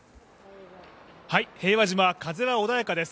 平和島、風は穏やかです。